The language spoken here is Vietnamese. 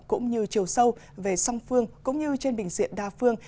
cũng như chiều sâu về song phương cũng như trên bình diện đa phương